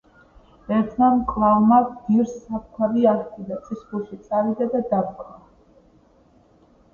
ერთმა მკალავმა ვირს საფქვავი აჰკიდა, წისქვილში წავიდა, დაფქვა.